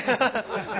ハハハ。